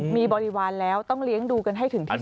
มีบริวารแล้วต้องเลี้ยงดูกันให้ถึงที่สุด